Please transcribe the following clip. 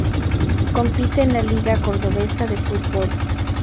Compite en la Liga cordobesa de fútbol.